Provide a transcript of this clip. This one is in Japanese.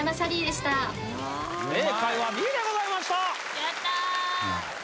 正解はＢでございました。